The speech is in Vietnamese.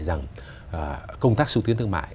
rằng công tác xúc tiến thương mại